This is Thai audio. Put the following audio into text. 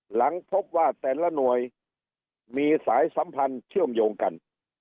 หลังพบว่าแต่ละหน่วยมีสายสัมพันธ์เชื่อมโยงกัน